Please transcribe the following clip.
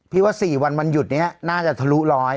พี่ว่า๔วันมันหยุดเนี่ยน่าจะทะลุร้อย